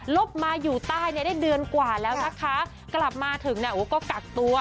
บมาอยู่ใต้เนี่ยได้เดือนกว่าแล้วนะคะกลับมาถึงเนี่ยโอ้ก็กักตัว